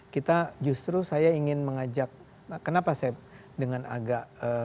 kita justru saya ingin mengajak kenapa saya dengan agak